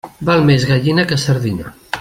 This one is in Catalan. Val més gallina que sardina.